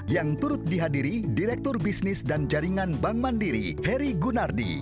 yang turut dihadiri direktur bisnis dan jaringan bank mandiri heri gunardi